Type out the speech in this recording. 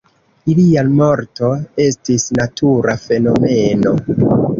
Ilia morto estis natura fenomeno.